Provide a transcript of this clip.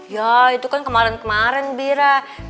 ya itu kan kemarin kemarin bira kan itu aja ya